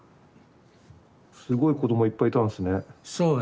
すごい子どもいっぱいいたんですね。